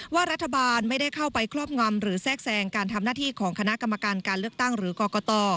ว่ารัฐบาลไม่ได้เข้าไปครอบงำหรือแทรกแทรงการทำหน้าที่ของคณะกรรมการการเลือกตั้งหรือกรกต